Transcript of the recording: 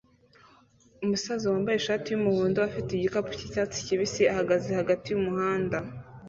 Umusaza wambaye ishati yumuhondo afite igikapu cyicyatsi kibisi ahagaze hagati yumuhanda